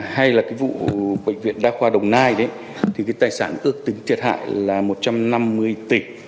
hay là vụ bệnh viện đa khoa đồng nai tài sản ước tính thiệt hại là một trăm năm mươi tỷ